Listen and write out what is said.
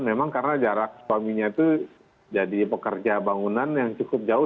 memang karena jarak suaminya itu jadi pekerja bangunan yang cukup jauh